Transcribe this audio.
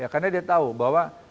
karena dia tahu bahwa